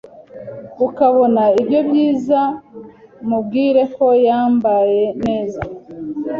ukabona ibyo byiza Mubwire ko yambaye neza